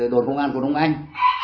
đồn công an của đông anh